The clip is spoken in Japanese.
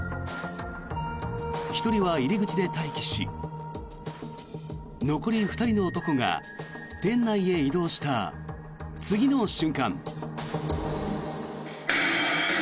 １人は入り口で待機し残り２人の男が店内へ移動した次の瞬間。